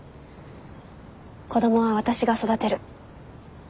子どもは私が育てる。